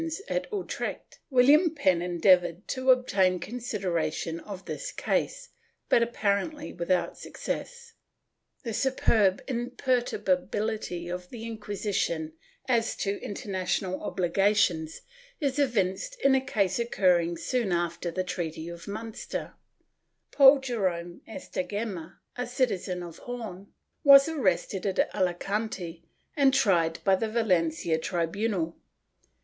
Adler Esq, Chap III] FOREIGN HERETICS 469 Utrecht, William Penn endeavored to obtain consideration of this case, but apparently without success/ The superb imperturbability of the Inquisition as to inter national obligations is evinced in a case occurring soon after the treaty of Munster, Paul Jerome Estagema, a citizen of Hoorn, was arrested at Alicante and tried by the Valencia tribunal.